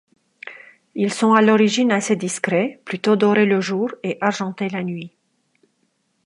Ils sont à l'origine assez discrets, plutôt dorés le jour et argentés la nuit.